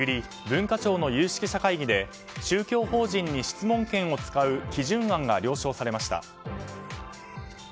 文化庁の有識者会議で宗教法人に質問権を使う基準案が了承されました。